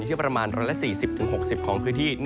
ที่ประมาณ๑๔๐๖๐ของพื้นที่